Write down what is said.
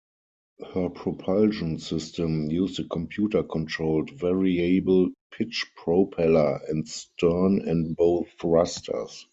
Her propulsion system used a computer-controlled variable-pitch propeller and stern and bow thrusters.